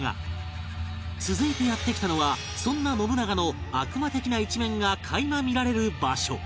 続いてやって来たのはそんな信長の悪魔的な一面が垣間見られる場所